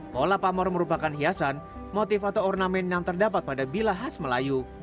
pola pamor merupakan hiasan motif atau ornamen yang terdapat pada bilah khas melayu